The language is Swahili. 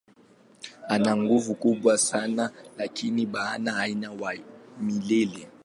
Ana nguvu kubwa sana lakini hana uhai wa milele.